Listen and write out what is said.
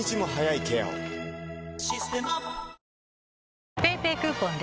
「システマ」ＰａｙＰａｙクーポンで！